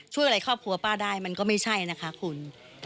ช่วยอะไรครอบครัวป้าได้มันก็ไม่ใช่นะคะคุณ